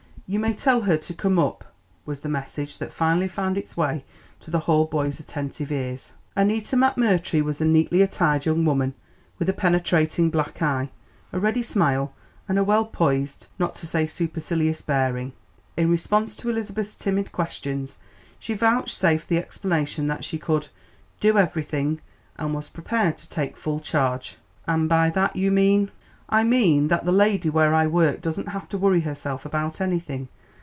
"You may tell her to come up," was the message that finally found its way to the hall boy's attentive ear. Annita McMurtry was a neatly attired young woman, with a penetrating black eye, a ready smile and a well poised, not to say supercilious bearing. In response to Elizabeth's timid questions she vouchsafed the explanation that she could "do everything" and was prepared "to take full charge." "And by that you mean?" "I mean that the lady where I work doesn't have to worry herself about anything.